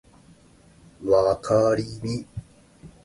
わかりみ